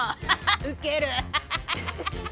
ウケる！